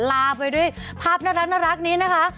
ลาไปด้วยภาพน่ารักนี้นะคะ